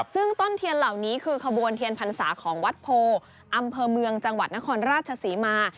ซึ่งต้นเทียนเหล่านี้คือขบวนเทียนพรรษาของวัดโพอำเภอเมืองจังหวัดนครราชศรีมา